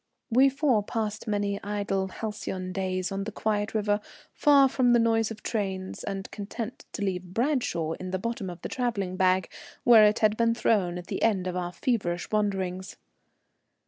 We four passed many idle halcyon days on the quiet river, far from the noise of trains, and content to leave Bradshaw in the bottom of the travelling bag, where it had been thrown at the end of our feverish wanderings.